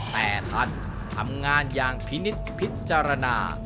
แต่ท่านทำงานอย่างพินิษฐ์พิจารณา